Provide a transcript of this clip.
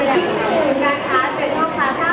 ไม่ต้องถามไม่ต้องถาม